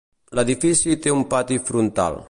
L'edifici té un pati frontal.